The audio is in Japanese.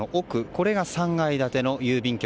これが３階建ての郵便局。